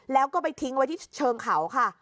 แล้วก็ไปทิ้งไว้ที่เชิงเขาค่ะ